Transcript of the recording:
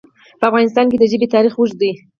په افغانستان کې د ژبې تاریخ اوږد دی.